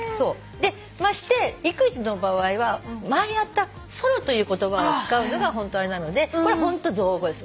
まして育児の場合は前やった「ソロ」という言葉を使うのが本当なのでこれホント造語です。